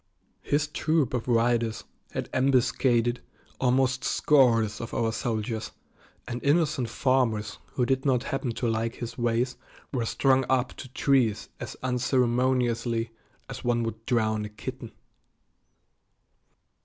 His troop of riders had ambuscaded almost scores of our soldiers, and innocent farmers who did not happen to like his ways were strung up to trees as unceremoniously as one would drown a kitten.